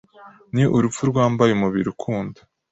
ni urupfu rwambaye umubiri ukunda